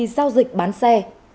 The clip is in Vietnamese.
câu dịch bán xe